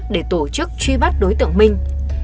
để tổ chức truy bắt đối tượng minh